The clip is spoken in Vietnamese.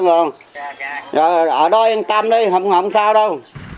ở đó yên tâm đấy không sao đâu